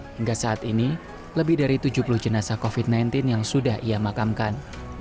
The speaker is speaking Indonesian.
hingga saat ini lebih dari tujuh puluh jenazah covid sembilan belas yang sudah ia makamkan